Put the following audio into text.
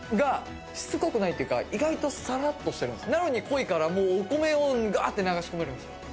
しつこくないっていうか意外とサラッとしてますなのに濃いからお米をガーッて流し込めるんですよ